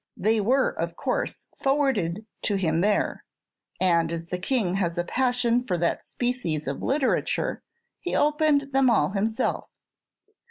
They were, of course, forwarded to him there; and as the King has a passion for that species of literature, he opened them all himself.